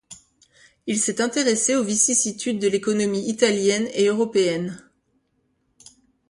Il s’est intéressé aux vicissitudes de l’économie italienne et européenne.